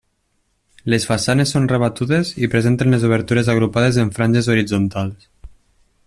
Les façanes són rebatudes i presenten les obertures agrupades en franges horitzontals.